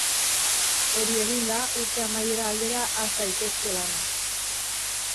Hori eginda, urte amaiera aldera has daitezke lanak.